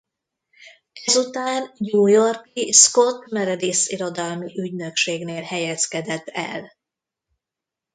Ezután New York-i Scott Meredith irodalmi ügynökségnél helyezkedett el.